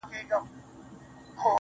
او اډانې سره له زرګونو کلونو